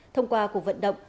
thông qua cuộc vận động